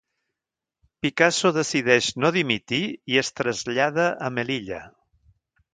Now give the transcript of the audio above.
Picasso decideix no dimitir i es trasllada a Melilla.